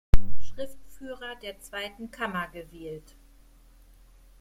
Schriftführer der zweiten Kammer gewählt.